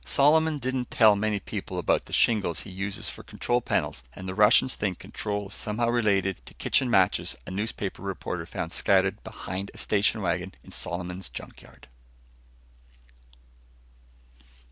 Solomon didn't tell many people about the shingles he uses for control panels, and the Russians think control is somehow related to kitchen matches a newspaper reporter found scattered behind a station wagon in Solomon's junk yard.